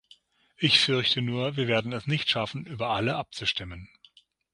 Ich fürchte nur, wir werden es nicht schaffen, über alle abzustimmen.